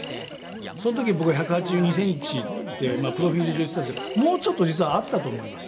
その時僕は１８２センチってまあプロフィール上言ってたんですけどもうちょっと実はあったと思います。